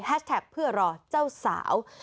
แท็กเพื่อรอเจ้าสาว